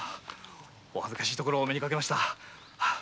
お恥ずかしいところをお目にかけました。